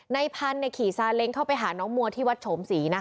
ในพันธุ์ขี่ซาเล้งเข้าไปหาน้องมัวที่วัดโฉมศรี